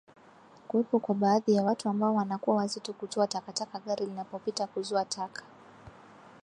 kuwepo kwa baadhi ya watu ambao wanakuwa wazito kutoa takataka gari linapopita kuzoa taka